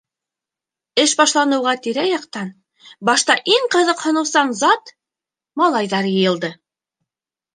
Эш башланыуға тирә-яҡтан башта иң ҡыҙыҡһыныусан зат - малайҙар йыйылды.